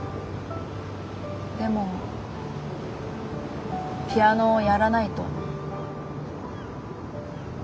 でもピアノをやらないと。